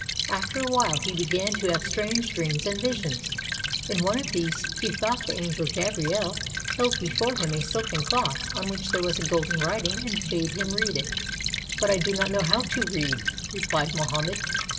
After a while, he began to have strange dreams and visions. In one of these he thought the angel Gabriel held before him a silken cloth on which there was golden writing and bade him read it. "But I do not know how to read," replied Mohammed.